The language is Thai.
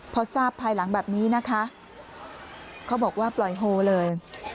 พอทราบภายหลังแบบนี้นะคะเขาบอกว่าปล่อยโฮเลย